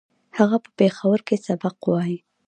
هغه په پېښور کې سبق وايي